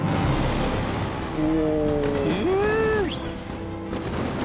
お！